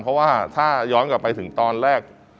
เพราะว่าถ้าย้อนกลับไปถึงตอนแรก